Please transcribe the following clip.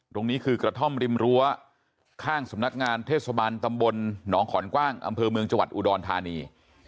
ตรงนี้คือกระท่อมริมรั้วข้างสำนักงานเทศบาลตำบลหนองขอนกว้างอำเภอเมืองจังหวัดอุดรธานี